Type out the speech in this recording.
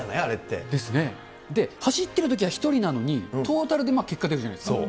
走っているときは１人なのに、トータルで結果出るじゃないですか。